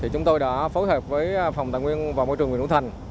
chúng tôi đã phối hợp với phòng tài nguyên và môi trường huyện hữu thành